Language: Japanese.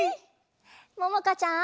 ももかちゃん。